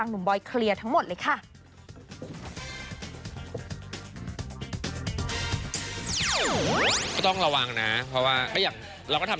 เดี๋ยวต้องรอฟังอีกครั้งหนึ่งจะคิดว่าใครก็ปลื้ม